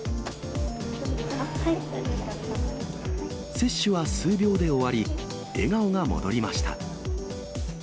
接種は数秒で終わり、笑顔が戻りました。